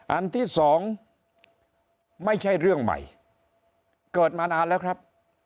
อันที่สองไม่ใช่เรื่องใหม่เกิดมานานแล้วครับ